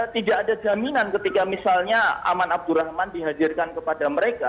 tidak ada jaminan ketika misalnya aman abdurrahman dihadirkan kepada mereka